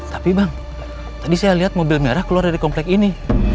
tapi bang tadi saya lihat mobil merah keluar dari komplek ini